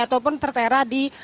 ataupun tertera di